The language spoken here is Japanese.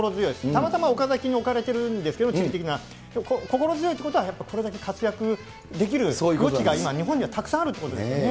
たまたま岡崎に置かれてるんですが、地理的には、心強いということは、これだけ活躍できるが今、日本にはたくさんあるということですよね。